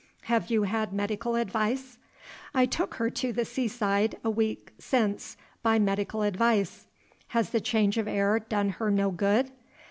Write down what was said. Have you had medical advice?" "I took her to the sea side a week since by medical advice." "Has the change of air don e her no good?"